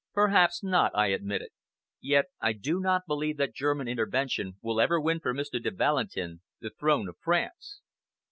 "Perhaps not," I admitted; "yet I do not believe that German intervention will ever win for Mr. de Valentin the throne of France."